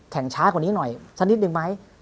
แข่งช้ากว่านี้หน่อยสัญลิฟต์นึง